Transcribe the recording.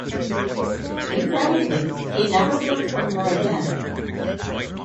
Incredibly, he never heard from her again.